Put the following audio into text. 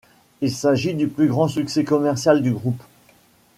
Il s'agit du plus grand succès commercial du groupe.